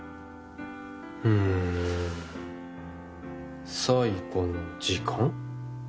うーん最後の時間？